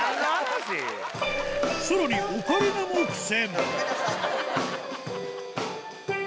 さらにオカリナも苦戦。